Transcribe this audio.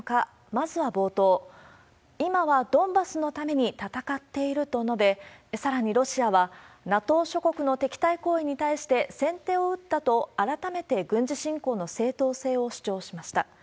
まずは冒頭、今はドンバスのために戦っていると述べ、さらにロシアはＮＡＴＯ諸国の敵対行為に対して先手を打ったと、改めて軍事侵攻の正当性を主張しました。